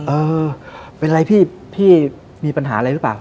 เออเป็นไรพี่พี่มีปัญหาอะไรหรือเปล่า